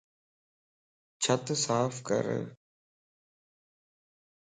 ڇتَ صاف ڪَر